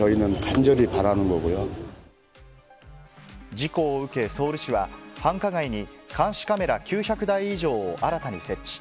事故を受け、ソウル市は、繁華街に監視カメラ９００台以上を新たに設置。